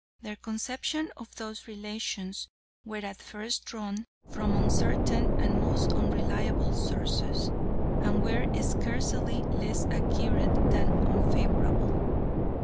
Their conception of those relations were at first drawn from uncertain and most unreliable sources, and were scarcely less accurate than unfavourable.